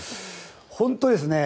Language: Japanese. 本当ですね。